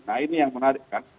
nah ini yang menarik kan